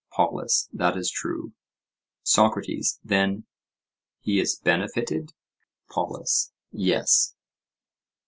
POLUS: That is true. SOCRATES: Then he is benefited? POLUS: Yes.